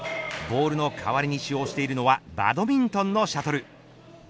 ボールの代わりに使用しているのはバドミントンのシャトル。